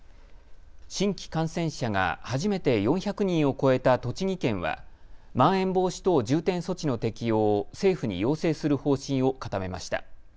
新規感染者が初めて４００人を超えた栃木県はまん延防止等重点措置の適用を政府に要請する方針を固めました。